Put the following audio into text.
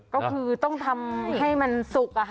ก็คือต้องทำให้มันสุก